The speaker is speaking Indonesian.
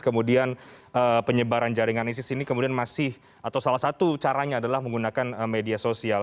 kemudian penyebaran jaringan isis ini kemudian masih atau salah satu caranya adalah menggunakan media sosial